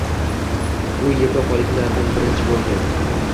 U yevropaliklardan birinchi boʻlgan.